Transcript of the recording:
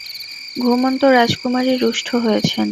ঘুমন্ত রাজকুমারী রুষ্ট হয়েছেন।